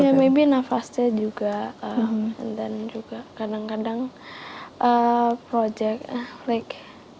ya maybe nafasnya juga and then juga kadang kadang project like